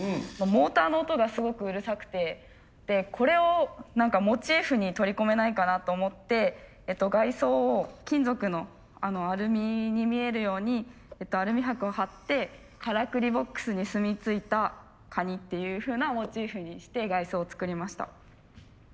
モーターの音がすごくうるさくてこれをモチーフに取り込めないかなと思って外装を金属のアルミに見えるようにアルミはくを貼ってからくりボックスにすみついたカニっていうふうなモチーフにして外装を作りました。